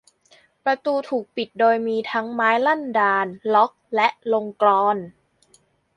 ประตูถูกปิดโดยมีทั้งไม้ลั่นดาล ล็อค และลงกลอน